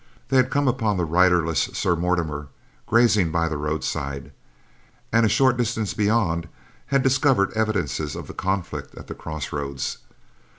They had come upon the riderless Sir Mortimer grazing by the roadside, and a short distance beyond, had discovered evidences of the conflict at the cross roads.